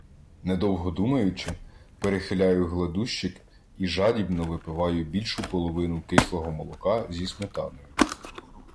Недовго думаючи, перехиляю гладущик і жадібно випиваю більшу половину кислого молока зі сметаною.